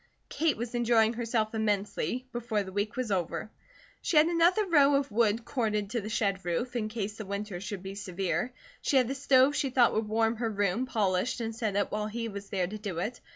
Kate was enjoying herself immensely, before the week was over. She had another row of wood corded to the shed roof, in case the winter should be severe. She had the stove she thought would warm her room polished and set up while he was there to do it.